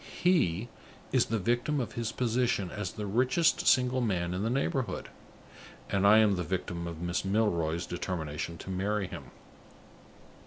He is the victim of his position as the richest single man in the neighborhood; and I am the victim of Miss Milroy's determination to marry him."